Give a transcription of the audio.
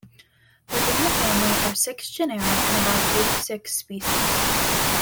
Within the family are six genera and about eighty-six species.